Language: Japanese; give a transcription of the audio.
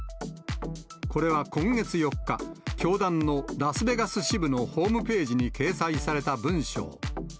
これは今月４日、教団のラスベガス支部のホームページに掲載された文章。